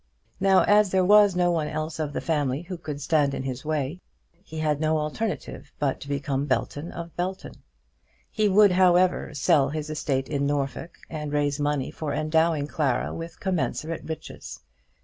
Now, as there was no one else of the family who could stand in his way, he had no alternative but to become Belton of Belton. He would, however, sell his estate in Norfolk, and raise money for endowing Clara with commensurate riches.